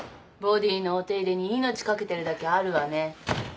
ボディーのお手入れに命懸けてるだけあるわね。